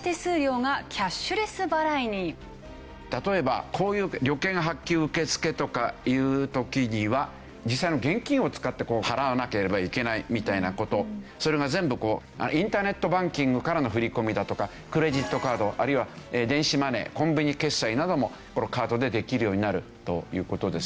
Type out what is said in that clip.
例えばこういう旅券発給受付とかいう時には実際の現金を使って払わなければいけないみたいな事それが全部インターネットバンキングからの振り込みだとかクレジットカードあるいは電子マネーコンビニ決済などもカードでできるようになるという事ですよね。